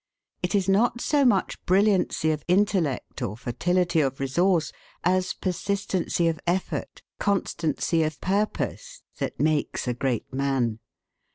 It is not so much brilliancy of intellect, or fertility of resource, as persistency of effort, constancy of purpose, that makes a great man.